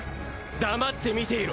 黙って見ていろ。